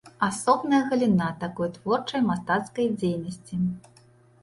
Асобная галіна такой творчай мастацкай дзейнасці.